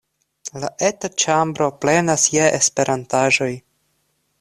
La eta ĉambro plenas je Esperantaĵoj.